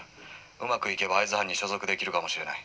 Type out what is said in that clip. うまくいけば会津藩に所属できるかもしれない」。